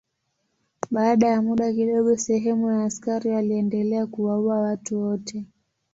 Baada ya muda kidogo sehemu ya askari waliendelea kuwaua watu wote.